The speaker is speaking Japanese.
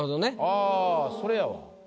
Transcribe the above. ああそれやわ。